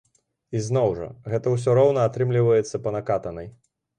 І зноў жа, гэта ўсё роўна атрымліваецца па накатанай.